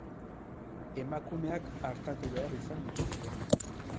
Emakumeak artatu behar izan dituzte.